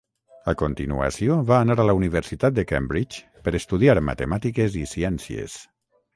A continuació va anar a la universitat de Cambridge per estudiar matemàtiques i ciències.